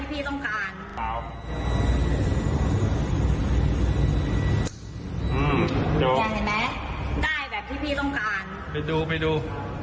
ไปดูไปดู